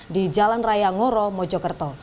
di jalan raya ngoro mojokerto